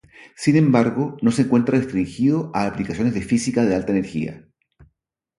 Sin embargo no se encuentra restringido a aplicaciones de física de alta energía.